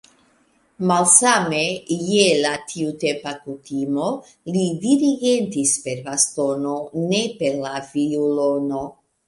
Malsame je la tiutempa kutimo, li dirigentis per bastono, ne per la violono.